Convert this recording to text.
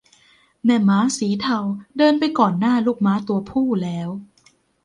แม่ม้าสีเทาเดินไปก่อนหน้าลูกม้าตัวผู้แล้ว